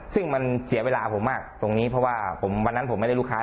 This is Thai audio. ซึ่งมันเสียเวลาผมมากตรงนี้เพราะว่าวันนั้นผมไม่ได้ลูกค้า